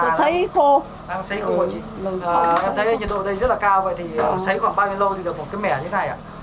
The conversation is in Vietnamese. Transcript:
đang xáy khô ạ chị em thấy nhiệt độ ở đây rất là cao vậy xáy khoảng bao nhiêu lâu thì được một cái mẻ như thế này ạ